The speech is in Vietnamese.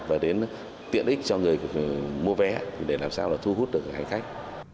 và đến tiện ích cho người mua vé để làm sao là thu hút được hành khách